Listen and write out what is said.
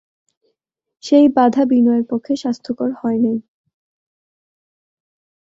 সেই বাধা বিনয়ের পক্ষে স্বাস্থ্যকর হয় নাই।